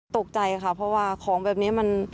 ตกใจค่ะเพราะว่าของแบบนี้มัน